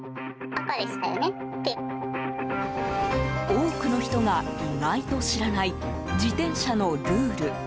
多くの人が意外と知らない自転車のルール。